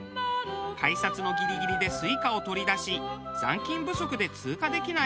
改札のギリギリでＳｕｉｃａを取り出し残金不足で通過できない人。